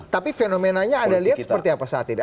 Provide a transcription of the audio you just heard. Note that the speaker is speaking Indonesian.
tapi fenomenanya anda lihat seperti apa saat ini